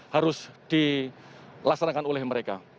harus dilaksanakan oleh mereka